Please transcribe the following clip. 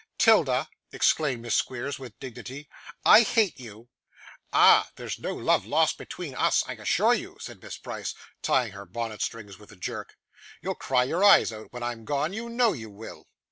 ''Tilda,' exclaimed Miss Squeers with dignity, 'I hate you.' 'Ah! There's no love lost between us, I assure you,' said Miss Price, tying her bonnet strings with a jerk. 'You'll cry your eyes out, when I'm gone; you know you will.